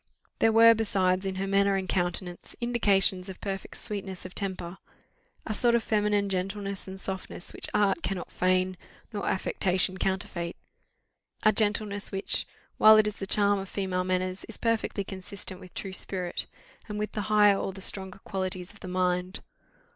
There were, besides, in her manner and countenance, indications of perfect sweetness of temper, a sort of feminine gentleness and softness which art cannot feign nor affectation counterfeit; a gentleness which, while it is the charm of female manners, is perfectly consistent with true spirit, and with the higher or the stronger qualities of the mind.